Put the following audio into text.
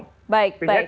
oke baik baik